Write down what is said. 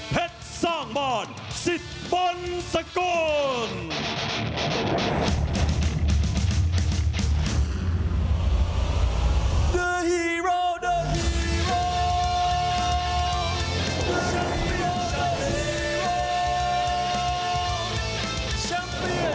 ทุกคนทุกคนขอบคุณก่อน